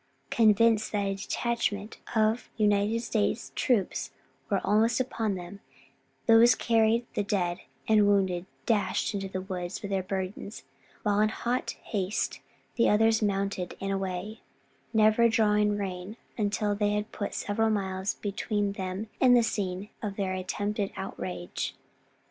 Convinced that a detachment of United States troops were almost upon them, those carrying the dead and wounded dashed into the wood with their burdens, while in hot haste the others mounted and away, never drawing rein until they had put several miles between them and the scene of their attempted outrage.